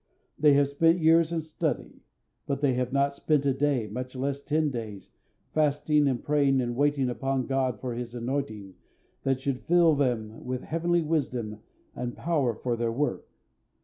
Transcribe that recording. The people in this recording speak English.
They have spent years in study; but they have not spent a day, much less ten days, fasting and praying and waiting upon God for His anointing that should fill them with heavenly wisdom and power for their work.